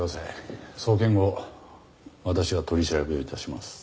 送検後私が取り調べを致します。